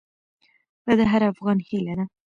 دا د هر افغان هیله ده.